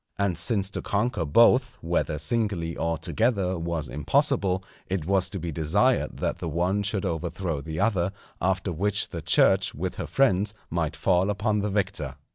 And since to conquer both, whether singly or together, was impossible, it was to be desired that the one should overthrow the other, after which the Church with her friends might fall upon the victor.